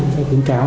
đã khuyến cáo